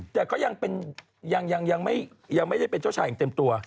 แต่ก็ยังไม่ได้เป็นเจ้าชายอย่างเต็มตัว